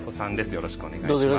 よろしくお願いします。